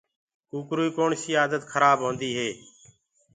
ڪوڪروئي ڪوڻسي آدت خرآب هوندي هي